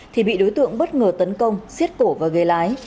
thì bị đối tượng bất ngờ tấn công xiết cổ và gây lái